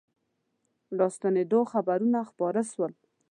راستنېدلو خبرونه خپاره سول.